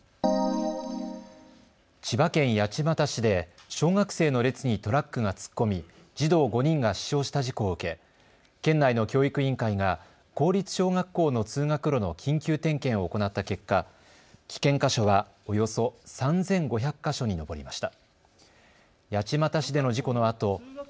千葉県八街市で小学生の列にトラックが突っ込み児童５人が死傷した事故を受け県内の教育委員会が公立小学校の通学路の緊急点検を行った結果、危険箇所は、およそ３５００か所に上りました。